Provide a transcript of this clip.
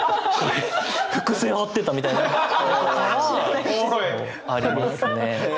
伏線張ってたみたいな。ありますね。